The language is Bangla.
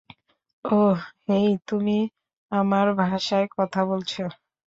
ওহ, হেই, তুমি আমার ভাষায় কথা বলছো!